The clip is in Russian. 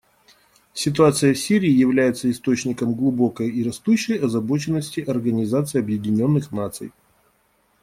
Ситуация в Сирии является источником глубокой и растущей озабоченности Организации Объединенных Наций.